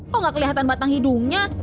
kok gak kelihatan batang hidungnya